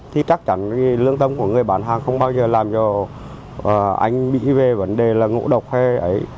thì chắc chắn lương tâm của người bán hàng không bao giờ làm cho anh mỹ về vấn đề là ngộ độc hay ấy